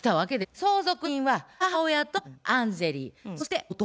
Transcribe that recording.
相続人は母親とアンジェリーそして弟。